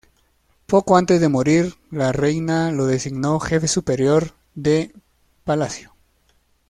Poco antes de morir, la Reina lo designó Jefe Superior de Palacio.